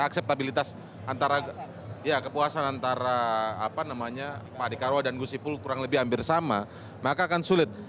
akseptabilitas antara ya kepuasan antara apa namanya pak dekarwo dan gus ipul kurang lebih hampir sama maka akan sulit